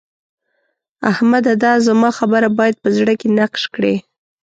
احمده! دا زما خبره بايد په زړه کې نقش کړې.